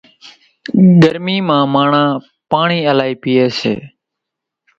ڳرميان مان ماڻۿان پاڻِي لائِي پيئيَ سي۔